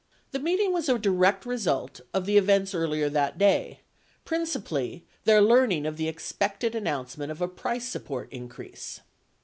52 The meeting was a direct result of the events earlier that day, principally their learning of the expected announcement of a price support, increase.